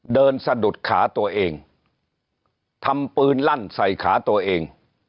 สะดุดขาตัวเองทำปืนลั่นใส่ขาตัวเอง